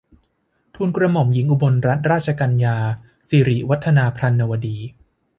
ทูลกระหม่อมหญิงอุบลรัตนราชกัญญา สิริวัฒนาพรรณวดี